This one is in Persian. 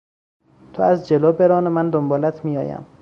تو از جلو بران و من دنبالت میآیم.